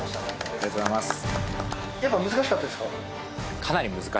ありがとうございます。